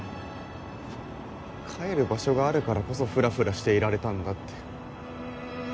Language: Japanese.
帰る場所があるからこそふらふらしていられたんだって。